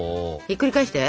ひっくり返して！